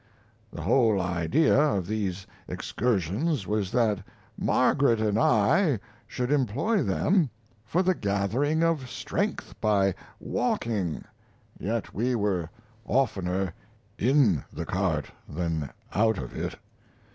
The whole idea of these excursions was that Margaret and I should employ them for the gathering of strength, by walking, yet we were oftener in the cart than out of it.